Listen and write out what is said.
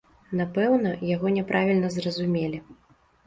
Напэўна, яго няправільна зразумелі.